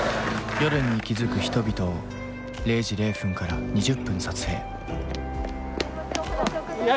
夜に息づく人々を０時０分から２０分撮影すみません